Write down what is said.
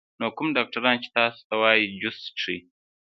نو کوم ډاکټران چې تاسو ته وائي جوس څښئ